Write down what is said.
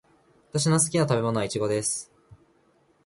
私の好きな食べ物はイチゴです。